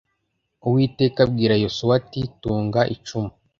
uwiteka abwira yosuwa ati tunga icumu